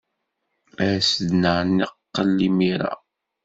As-d ad neqqel imir-a.